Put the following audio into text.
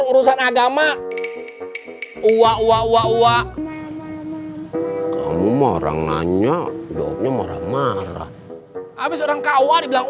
perusahaan agama ua ua ua kamu orang nanya jawabnya marah marah habis orang kawa dibilang